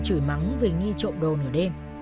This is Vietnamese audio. chửi mắng về nghi trộm đồ nửa đêm